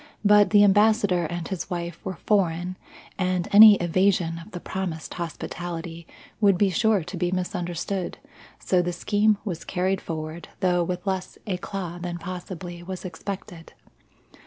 But the Ambassador and his wife were foreign and any evasion of the promised hospitality would be sure to be misunderstood; so the scheme was carried forward though with less eclat than possibly was expected.